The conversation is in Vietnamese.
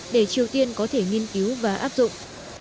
để triều tiên có thể tổ chức cuộc gặp thượng đỉnh lần thứ hai